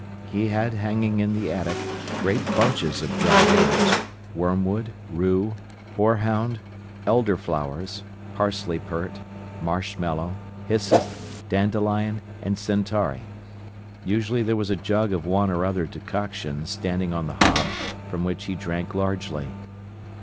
He had hanging in the attic great bunches of dried herbs: wormwood, rue, horehound, elder flowers, parsley purt, marshmallow, hyssop, dandelion, and centuary. Usually there was a jug of one or other decoction standing on the hob, from which he drank largely.